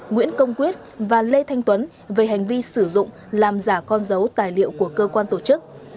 nguyễn công quyết và lê thanh tuấn về hành vi sử dụng làm giả con dấu tài liệu của cơ quan tổ chức